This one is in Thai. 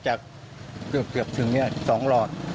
จากเกือบถึงเนี่ยสองรอด